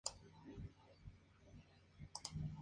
En los rincones se destacan distintos altares devotos.